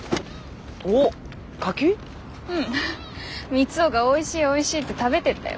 三生がおいしいおいしいって食べてったよ。